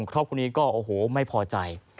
ครอบครัวนี้ก็โอ้โหไม่พอใจ